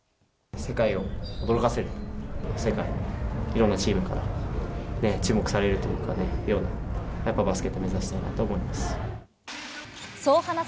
世界のいろいろなチームから注目されるというか、やっぱバスケットを目指したいなと思います。